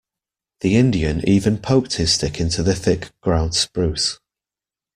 The Indian even poked his stick into the thick ground spruce.